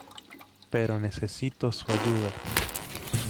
Pero necesito su ayuda.